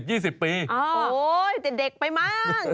โอ้โหแต่เด็กไปมั้ง